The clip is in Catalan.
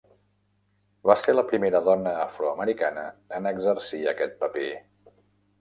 Va ser la primera dona afroamericana en exercir aquest paper.